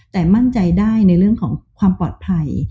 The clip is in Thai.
แต่มั่นใจได้ในเรื่องของความปลอดภัย